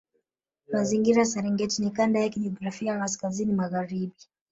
Mazingira ya Serengeti ni kanda ya kijiografia kaskazini magharibi